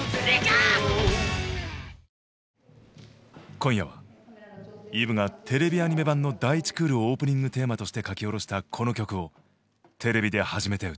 今夜はＥｖｅがテレビアニメ版の第１クールオープニングテーマとして書き下ろしたこの曲をテレビで初めて歌う。